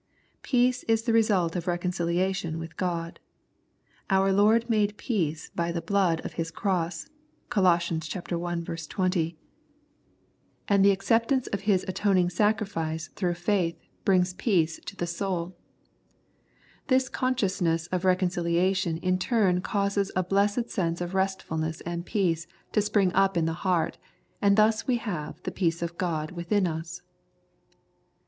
Peace is the result of reconciliation with God. Our Lord made peace by the Blood of His Cross (Col. i. 20), and the acceptance of His atoning sacri 22 Consecration and Preservation fice through faith brings peace to the soul. This consciousness of reconciliation in turn causes a blessed sense of restfulness and peace to spring up in the heart, and thus we have the peace of God within us.